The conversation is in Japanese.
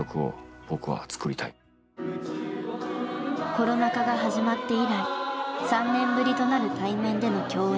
コロナ禍が始まって以来３年ぶりとなる対面での共演。